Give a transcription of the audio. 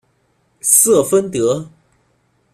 瑟丰德。